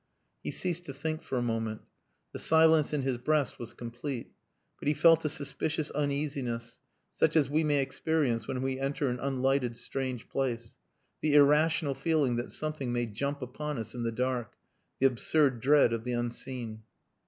He ceased to think for a moment. The silence in his breast was complete. But he felt a suspicious uneasiness, such as we may experience when we enter an unlighted strange place the irrational feeling that something may jump upon us in the dark the absurd dread of the unseen.